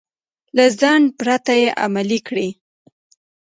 له ځنډ پرته يې عملي کړئ.